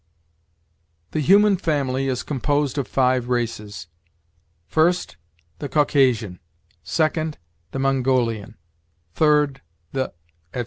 '" "The human family is composed of five races: first, the Caucasian; second, the Mongolian; third, the," etc.